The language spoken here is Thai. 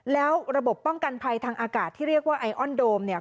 แล้วระบบป้องกันภัยทางอากาศที่เรียกว่าไอออนโดมเนี่ย